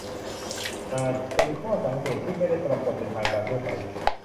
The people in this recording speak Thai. อาจเป็นข้อสังเกตที่ไม่ได้ปรากฏเป็นการทั่วไป